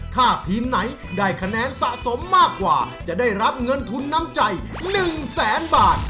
ถ้าทีมไหนได้คะแนนสะสมมากกว่าจะได้รับเงินทุนน้ำใจ๑แสนบาท